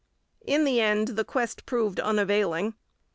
In the end the quest proved unavailing.